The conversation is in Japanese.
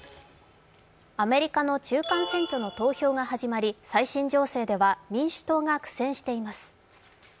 アメリカの中間選挙の投票が始まり最新情勢では民主党が苦戦しています。